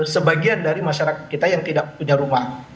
sebagian dari masyarakat kita yang tidak punya rumah